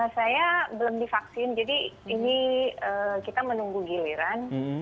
saya belum divaksin jadi ini kita menunggu giliran